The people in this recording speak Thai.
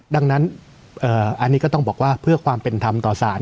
ดังนั้นอันนี้ก็ต้องบอกว่าเพื่อความเป็นธรรมต่อสาร